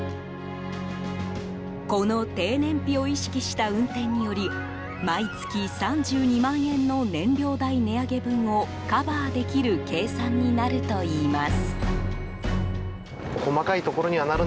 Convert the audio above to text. この低燃費を意識した運転により毎月３２万円の燃料代値上げ分をカバーできる計算になるといいます。